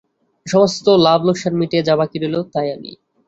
সমস্ত লাভ-লোকসান মিটিয়ে যা বাকি রইল তাই আমি।